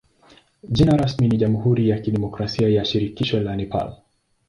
Jina rasmi ni jamhuri ya kidemokrasia ya shirikisho la Nepal.